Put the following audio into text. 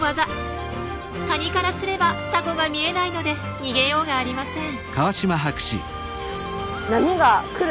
カニからすればタコが見えないので逃げようがありません。